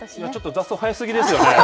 雑草生え過ぎですよね。